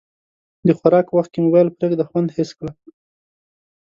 د خوراک وخت کې موبایل پرېږده، خوند حس کړه.